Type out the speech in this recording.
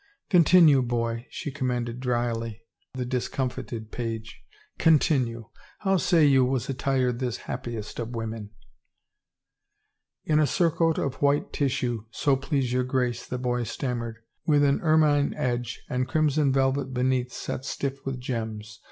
" Continue, boy," she commanded dryly the discom fited page. " Continue. How say you was attired this * Happiest of Women *?"" In a surcoat of white tissue, so please your Grace," the boy stammered, " with an ermine edge and crimson velvet beneath set stiff with gems.